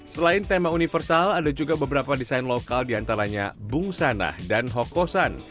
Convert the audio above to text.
selain tema universal ada juga beberapa desain lokal di antaranya bungsanah dan hokosan